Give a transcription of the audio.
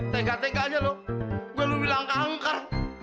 tengka tenkanya lo gua lo bilang kankar